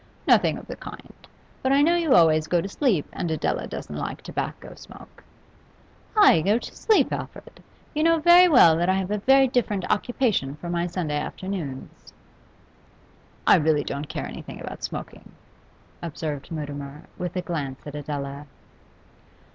'Nothing of the kind. But I know you always go to sleep, and Adela doesn't like tobacco smoke.' 'I go to sleep, Alfred! You know very well that I have a very different occupation for my Sunday afternoons.' 'I really don't care anything about smoking,' observed Mutimer, with a glance at Adela.